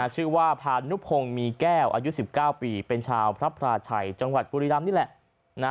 พานุพงศ์มีแก้วอายุ๑๙ปีเป็นชาวพระพราชัยจังหวัดบุรีรำนี่แหละ